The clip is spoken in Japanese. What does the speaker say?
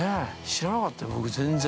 知らなかったよ、僕、全然。